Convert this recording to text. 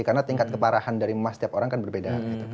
karena tingkat keparahan dari emas tiap orang kan berbeda